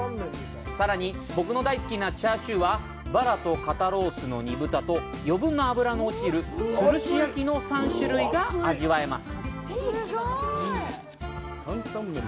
さらに、僕の大好きなチャーシューは、バラと肩ロースの煮豚と余分な脂の落ちる吊るし焼きの３種類が味わえます。